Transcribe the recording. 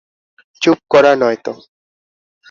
চুপ করা নয়তো!